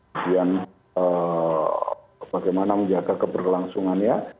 kemudian bagaimana menjaga keberlangsungannya